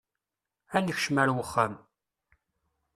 Ad nekcem ar wexxam.